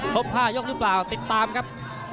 ๕ยกหรือเปล่าติดตามครับ